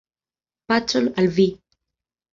Pacon al vi.